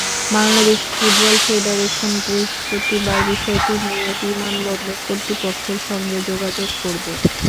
Bangladesh football federation বৃহস্পতিবার বিষয়টি নিয়ে বিমানবন্দর কর্তৃপক্ষের সঙ্গে যোগাযোগ করবে।